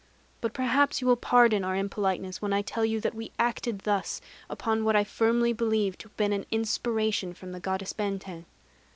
But perhaps you will pardon our impoliteness when I tell you that we acted thus upon what I firmly believe to have been an inspiration from the Goddess Benten.